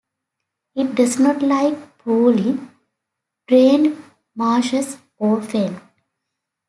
It does not like poorly drained marshes or fen.